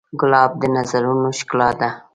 ګلاب د نظرونو ښکلا ده.